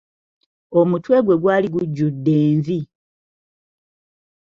Omutwe gwe gwali gujjudde envi.